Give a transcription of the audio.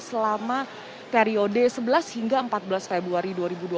selama periode sebelas hingga empat belas februari dua ribu dua puluh